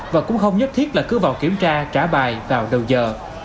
và cũng không nhất thiết là cứ vào kiểm tra trả bài vào đầu giờ